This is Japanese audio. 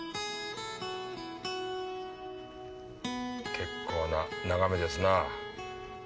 結構な眺めですな。